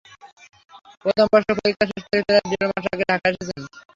প্রথম বর্ষের পরীক্ষা শেষ করে প্রায় দেড় মাস আগে ঢাকায় এসেছেন।